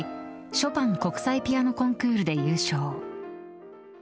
ショパン国際ピアノコンクールで優勝。